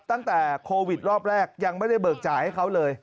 ตั้งแต่โควิดรอบแรกยังไม่ได้เบิกจ่ายให้เขาเลย